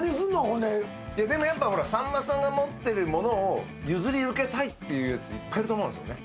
ほんででもさんまさんが持ってるものを譲り受けたいっていうやついっぱいいると思うんですよね